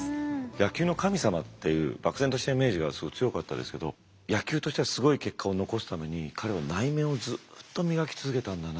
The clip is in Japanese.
野球の神様っていう漠然としたイメージが強かったですけど野球としてはすごい結果を残すために彼は内面をずっと磨き続けたんだなって。